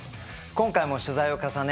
今回も取材を重ね